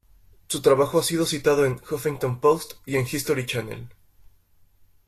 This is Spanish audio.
Su trabajo ha sido citado en "Huffington Post" y en "History Channel".